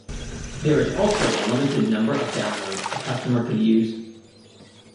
There is also a limited number of downloads a customer could use.